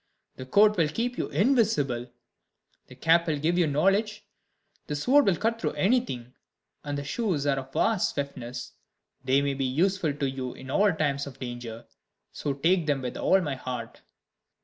The coat will keep you invisible, the cap will give you knowledge, the sword will cut through anything, and the shoes are of vast swiftness; they may be useful to you in all times of danger, so take them with all my heart."